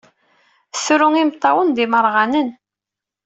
Tru imeṭṭawen d imerɣanen.